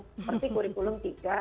seperti kurikulum tiga